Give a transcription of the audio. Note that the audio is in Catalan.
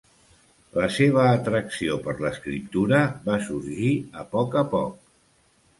La seva atracció per l'escriptura va sorgir a poc a poc.